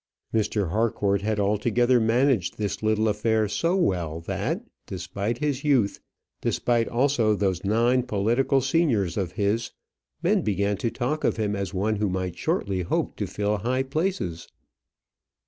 Mr. Harcourt had altogether managed this little affair so well that, despite his youth, despite also those nine political seniors of his, men began to talk of him as one who might shortly hope to fill high places.